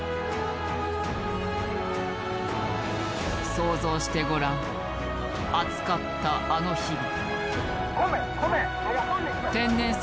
想像してごらん熱かったあの日々。